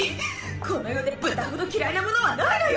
この世で豚ほど嫌いなものはないのよ！